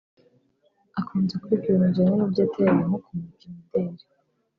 Akunze kwiga ibintu bijyanye n’uburyo ateye nko kumurika imideli